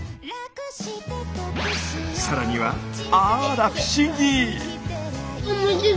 さらにはあら不思議。